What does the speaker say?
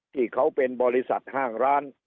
ที่เขาเป็นบริษัทห้างร้าน